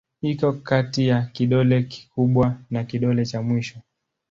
Iko kati ya kidole kikubwa na kidole cha mwisho.